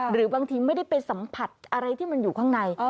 หรือบางทีไม่ได้ไปสัมผัสอะไรที่มันอยู่ข้างใน